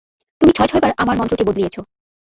তুমি ছয়-ছয়বার আমার মন্ত্রকে বদলিয়েছ।